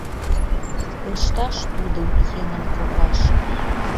Пышташ тудым еҥын копаш.